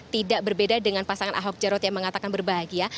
tidak berbeda dengan pasangan ahok jarot yang mengatakan berbahagia